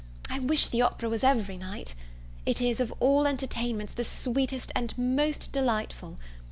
I wish the opera was every night. It is, of all entertainments, the sweetest and most delightful.